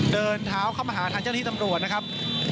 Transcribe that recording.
เดินเท้าเข้ามาหาท่านท่านที่ตำรวจนะครับ